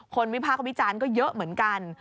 คนวิภาควิจารณ์ก็เยอะเหมือนกัน